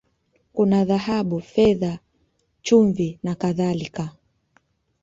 Kuna dhahabu, fedha, chumvi, na kadhalika.